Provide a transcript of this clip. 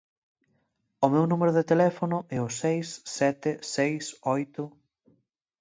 o meu número de teléfono é o seis sete seis oito...